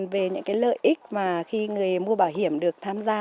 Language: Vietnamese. về những lợi ích mà khi người mua bảo hiểm được tham gia